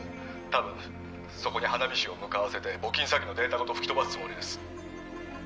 たぶんそこに花火師を向かわせて募金詐欺のデータごと吹き飛ばすつもりです